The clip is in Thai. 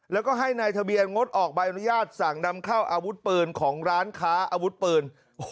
แล้วก็ให้นายทะเบียนงดออกใบอนุญาตสั่งนำเข้าอาวุธปืนของร้านค้าอาวุธปืน